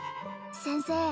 先生